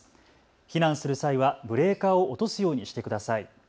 避難する際はブレーカーを落とすようにしてください。